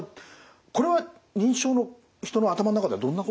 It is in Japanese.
これは認知症の人の頭の中ではどんなことが起きてるんですか？